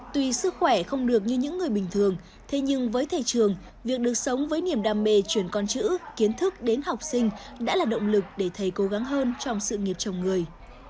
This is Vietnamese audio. tuy sức khỏe không được như những người bình thường thế nhưng với thầy trường việc được sống với niềm đam mê chuyển con chữ kiến thức đến học sinh đã là động lực để thầy cố gắng hơn trong sự nghiệp chồng người